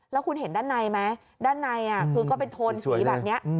แล้วคุณเห็นด้านในไหมด้านในคือก็เป็นโทนสีแบบนี้